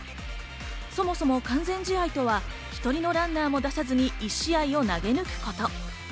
そもそも完全試合とは１人のランナーも出さずに１試合を投げ抜くこと。